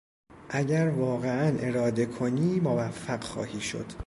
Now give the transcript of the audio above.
اگر واقعا اراده کنی موفق خواهی شد.